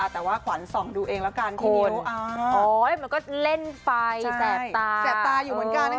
แต่ว่าขวัญส่องดูเองแล้วกันที่นิ้ว